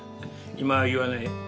今は言わない。